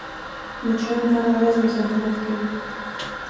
مچان هره ورځ مزاحمت کوي